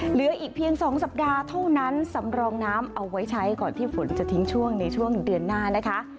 เหลืออีกเพียง๒สัปดาห์เท่านั้นสำรองน้ำเอาไว้ใช้ก่อนที่ฝนจะทิ้งช่วงในช่วงเดือนหน้านะคะ